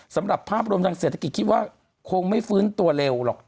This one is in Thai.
สำหรับภาพรวมทางเศรษฐกิจคิดว่าคงไม่ฟื้นตัวเร็วหรอก